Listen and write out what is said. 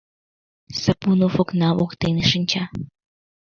Сапунов окна воктене шинча.